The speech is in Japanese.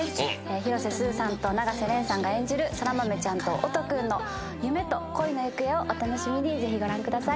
広瀬すずさんと永瀬廉さんが演じる空豆ちゃんと音君の夢と恋の行方をお楽しみにぜひご覧ください